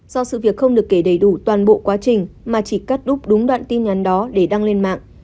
do sự việc không được kể đầy đủ toàn bộ quá trình mà chỉ cắt đuốc đúng đoạn tin nhắn đó để đăng lên mạng